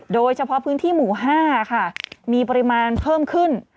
โดยเฉพาะพื้นที่หมู่๕ค่ะมีปริมาณเพิ่มขึ้น